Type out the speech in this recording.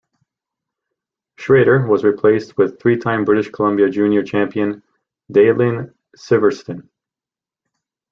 Schraeder was replaced with three time British Columbia Junior Champion Dailene Sivertson.